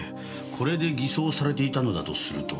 これで偽装されていたのだとすると。